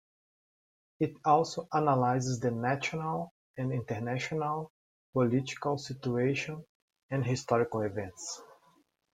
It also analyzes the national and international political situation and historical events.